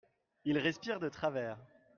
Il respire de travers.